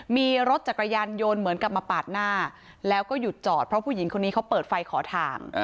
มีรถจักรยานยนต์เหมือนกับมาปาดหน้าแล้วก็หยุดจอดเพราะผู้หญิงคนนี้เขาเปิดไฟขอทาง